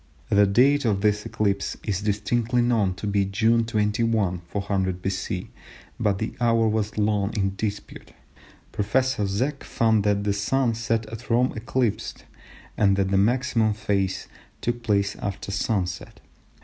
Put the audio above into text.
The date of this eclipse is distinctly known to be June 21, 400 B.C., but the hour was long in dispute. Professor Zech found that the Sun set at Rome eclipsed, and that the maximum phase took place after sun set.